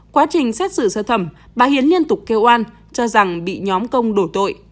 quá trình xét xử sơ thẩm bà hiền liên tục kêu oan cho rằng bị nhóm công đổ tội